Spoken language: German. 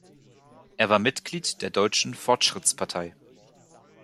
Er war Mitglied der Deutschen Fortschrittspartei.